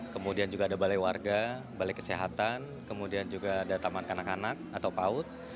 kemudian juga ada balai warga balai kesehatan kemudian juga ada taman kanak kanak atau paut